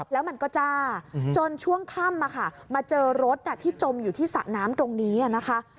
แล้วมันก็จ้าจนช่วงค่ำมาเจอรถที่จมอยู่ที่สระน้ำตรงนี้นะคะ